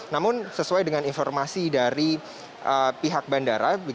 namun sesuai dengan informasi dari pihak bandara